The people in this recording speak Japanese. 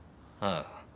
ああ。